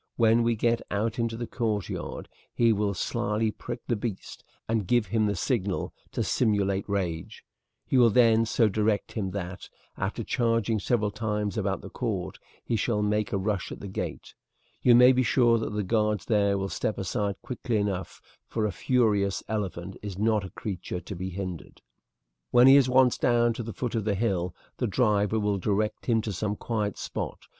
When we get out into the courtyard he will slyly prick the beast, and give him the signal to simulate rage; he will then so direct him that, after charging several times about the court, he shall make a rush at the gate. You may be sure that the guards there will step aside quickly enough, for a furious elephant is not a creature to be hindered. "When he is once down to the foot of the hill the driver will direct him to some quiet spot.